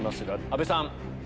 阿部さん。